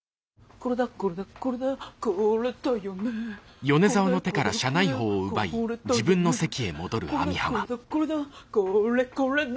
これだこれだこれだこれこれだ！